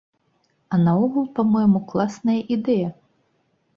А наогул, па-мойму, класная ідэя!